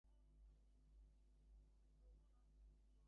এই বলিয়া খড়গ লইয়া বীরবর অকাতরে পুত্রের মস্তকচ্ছেদন করিল।